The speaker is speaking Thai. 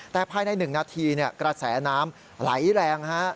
แต่ภายใน๑นาทีกระแสน้ำไหลแรง